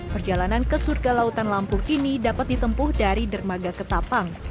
perjalanan ke surga lautan lampung ini dapat ditempuh dari dermaga ketapang